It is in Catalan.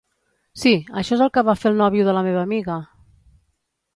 Sí, això és el que va fer el nòvio de la meva amiga!